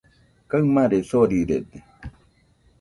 Kaɨmare sorirede.